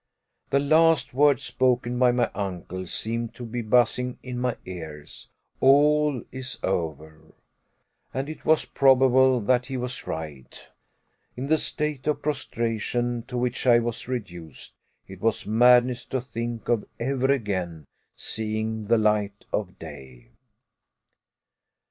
The last words spoken by my uncle seemed to be buzzing in my ears all is over! And it was probable that he was right. In the state of prostration to which I was reduced, it was madness to think of ever again seeing the light of day.